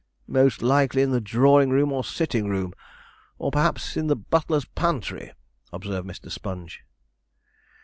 'Most likely in the drawing room or the sitting room, or perhaps in the butler's pantry,' observed Mr. Sponge.